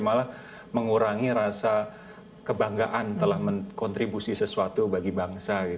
malah mengurangi rasa kebanggaan telah mengkontribusi sesuatu bagi bangsa